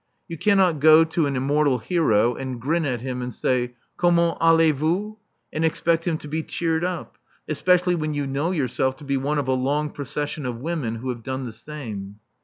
You cannot go to an immortal hero and grin at him and say Comment allez vous? and expect him to be cheered up, especially when you know yourself to be one of a long procession of women who have done the same.